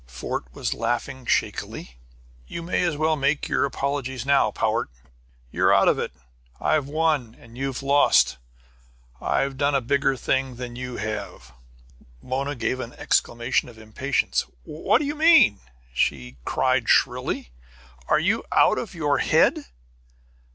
Fort was laughing shakily. "You may as well make your apologies now, Powart; you're out of it! I've won, and you've lost! I've done a bigger thing than you have!" Mona gave an exclamation of impatience. "What do you mean?" she cried shrilly. "Are you out of your head?"